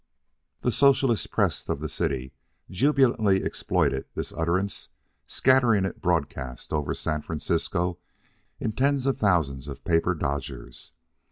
The socialist press of the city jubilantly exploited this utterance, scattering it broadcast over San Francisco in tens of thousands of paper dodgers.